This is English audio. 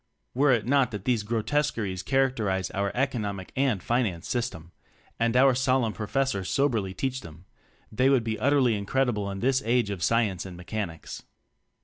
Were it not that these grotes queries characterize our "economic 12 TECHNOCRACY and finance system" and our solemn Professors soberly teach them, they would be utterly incredible in this Age of Science and Mechanics.